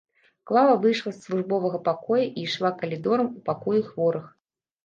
Клава выйшла з службовага пакоя і ішла калідорам у пакоі хворых.